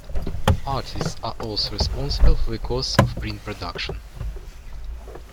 Artists are also responsible for the costs of print production.